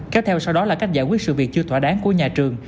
kéo theo sau đó là cách giải quyết sự việc chưa thỏa đáng của nhà trường